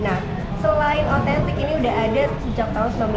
nah selain otentik ini sudah ada sejak tahun seribu sembilan ratus sembilan puluh